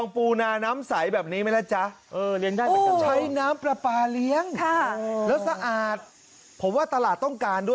ผมว่าตลาดต้องการด้วย